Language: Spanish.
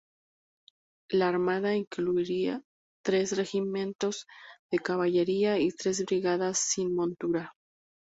La armada incluía tres regimientos de caballería y tres brigadas sin montura.